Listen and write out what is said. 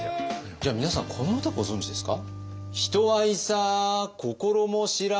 じゃあ皆さんこの歌ご存じですか？